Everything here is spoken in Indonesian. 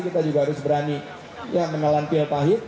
kita juga harus berani menelan pil pahit